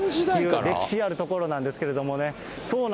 歴史ある所なんですけれどもね。